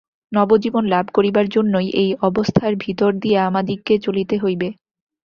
নবজীবন লাভ করিবার জন্যই এই অবস্থার ভিতর দিয়া আমাদিগকে চলিতে হইবে।